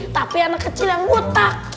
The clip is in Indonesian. tapi anak kecil yang ngutak